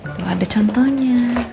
tuh ada contohnya